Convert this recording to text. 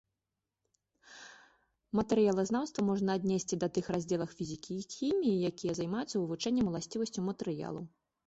Матэрыялазнаўства можна аднесці да тых раздзелах фізікі і хіміі, якія займаюцца вывучэннем уласцівасцяў матэрыялаў.